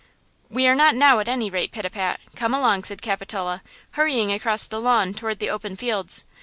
"We are not now at any rate, Pitapat! Come along!" said Capitola, hurrying across the lawn toward the open fields.